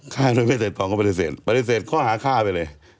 ข้าโดยไม่ไตรองเขาปฏิเสธปฏิเสธข้อหาค่าไปเลย